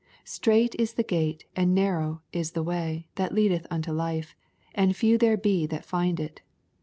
" Strait is the gate^ and narrow is the way, that leadeth unto life, and few there be that find it."